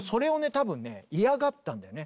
多分ね嫌がったんだよね。